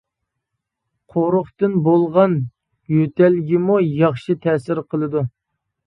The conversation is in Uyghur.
قۇرۇقتىن بولغان يۆتەلگىمۇ ياخشى تەسىر قىلىدۇ.